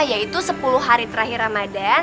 yaitu sepuluh hari terakhir ramadan